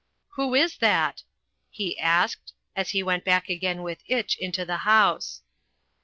"Who is that?" he asked, as he went back again with Itch into the house.